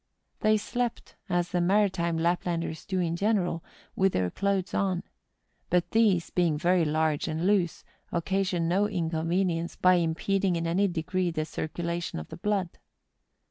They slept, as the maritime Lap¬ landers do in general, with their clothes on; but these, being very large and loose, occasion no inconvenience by impeding in any degree the circulation of the blood.